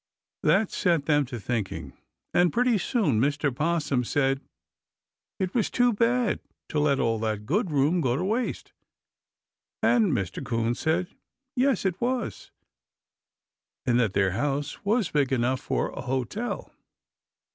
That set them to thinking, and pretty soon Mr. 'Possum said it was too bad to let all that good room go to waste, and Mr. 'Coon said yes, it was, and that their house was big enough for a hotel.